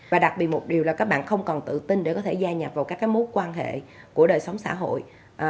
và đặc biệt một điều là các bạn không còn tự tin để có thể gia nhập vào các mối quan hệ của đời sống xã hội